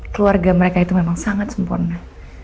keluarga mereka itu memang sangat sempurna